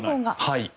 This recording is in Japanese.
はい。